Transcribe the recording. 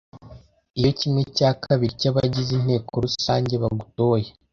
Iyo kimwe cya kabiri cy abagize inteko rusange bagutoye.